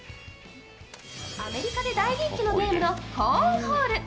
アメリカで大人気のゲームの「コーンホール」。